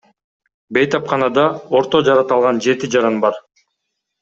Бейтапканада орто жарат алган жети жаран бар.